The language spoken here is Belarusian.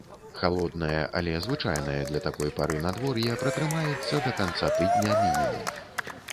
Халоднае, але звычайнае для такой пары надвор'е, пратрымаецца да канца тыдня мінімум.